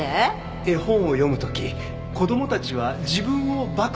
絵本を読む時子供たちは自分をバクに重ねます。